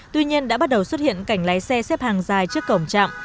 tuy nhiên đã bắt đầu xuất hiện cảnh lái xe xếp hàng dài trước cổng trạm